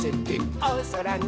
「おそらに」